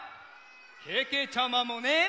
けけちゃまもね！